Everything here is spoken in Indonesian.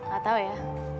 gak tau ya